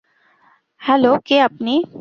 Hello কে আপনি?